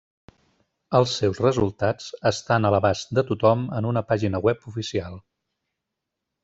Els seus resultats estan a l'abast de tothom en una pàgina web oficial.